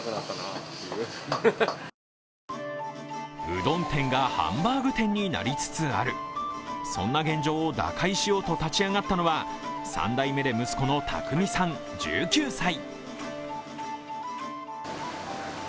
うどん店がハンバーグ店になりつつある、そんな現状を打開しようと立ち上がったのは３代目で息子の巧さん１９歳。